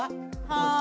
はい。